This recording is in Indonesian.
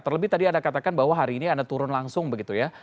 terlebih tadi anda katakan bahwa hari ini anda turun langsung begitu ya